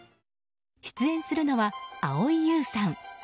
出演するのは蒼井優さん